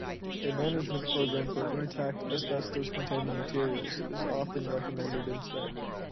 A management program for intact asbestos-containing materials is often recommended instead.